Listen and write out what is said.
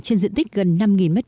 trên diện tích gần năm m hai